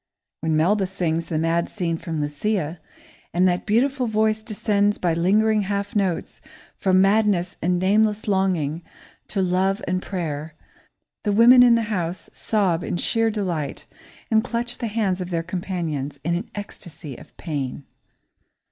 When Melba sings the mad scene from Lucia, and that beautiful voice descends by lingering half notes from madness and nameless longing to love and prayer, the women in the house sob in sheer delight and clutch the hands of their companions in an ecstasy of pain.